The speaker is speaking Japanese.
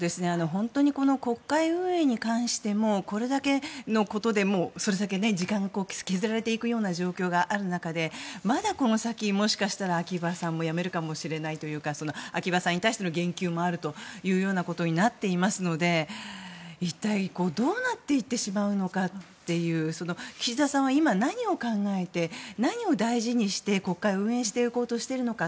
本当にこの国会運営に関してもこれだけのことでそれだけ時間が削られていく状況がある中でまだこの先もしかしたら秋葉さんも辞めるかもしれないというか秋葉さんに対しての言及もあるということになっていますので一体どうなっていってしまうのかという岸田さんは今、何を考えて何を大事にして国会を運営していこうとしているのか。